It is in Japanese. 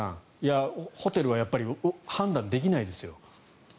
ホテルは判断できないですよ。